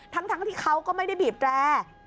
ทั้งที่เขาก็ไม่ได้บีบแร่